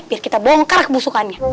biar kita bongkar kebusukannya